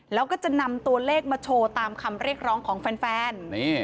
แล้วก็จะนำตัวเลขมาโชว์ตามคำเรียกร้องของแฟน